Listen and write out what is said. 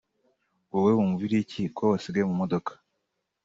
ngo wowe wumva uri igiki ko wasigaye mu modoka